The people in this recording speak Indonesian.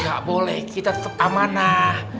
nggak boleh kita tetap amanah